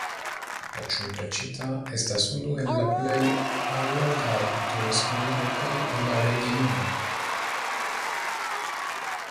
La Cumbrecita estas unu el la plej allogaj turismaj lokoj en la regiono.